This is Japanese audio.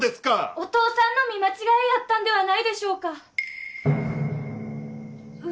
お父さんの見間違いやったんではないでしょうかッ